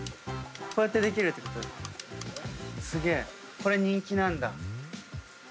これ人気なんだ。